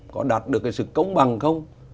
có đạt được sự công bằng không